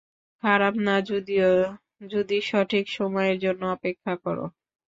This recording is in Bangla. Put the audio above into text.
খারাপ না যদিও, যদি সঠিক সময়ের জন্য অপেক্ষা করো।